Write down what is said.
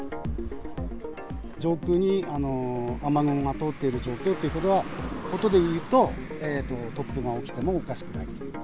上空に雨雲が通っている状況ということでいうと、突風が起きてもおかしくない。